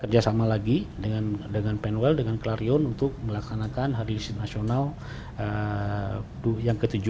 kita kerjasama lagi dengan penwell dengan clarion untuk melaksanakan hari listrik nasional yang ke tujuh puluh empat